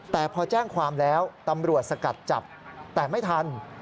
แต่พอแจ้งความแล้วตำรวจสกัดจับแต่ไม่ทัน